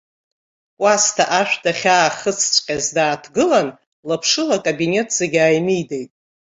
Кәасҭа ашә дахьаахыҵҵәҟьаз дааҭгылан, лаԥшыла акабинет зегьы ааимидеит.